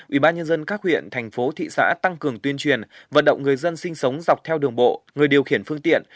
ủy ban nhân dân các huyện thành phố thị xã tăng cường tuyên truyền vận động người dân sinh sống dọc theo đường bộ người điều khiển phương tiện